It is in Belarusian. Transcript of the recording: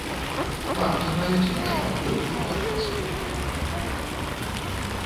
Банкі маюць нашмат боль інфармацыі.